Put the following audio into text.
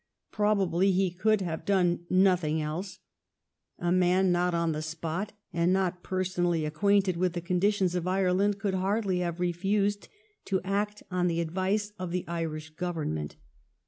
Probably he could have done nothing else ; a man not on the spot and not personally acquainted with the conditions of Ireland could hardly have refused to act on the advice of the Irish Government.